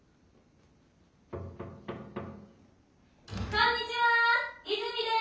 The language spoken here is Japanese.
・こんにちはー。